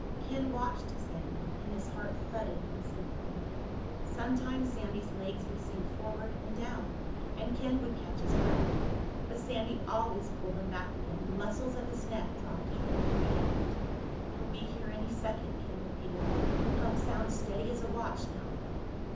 Ken watched Sandy, and his heart thudded in sympathy. Sometimes Sandy's legs would sink forward and down, and Ken would catch his breath. But Sandy always pulled them back again, the muscles of his neck drawn tight with the effort. "He'll be here any second," Ken repeated. "The pump sounds steady as a watch now."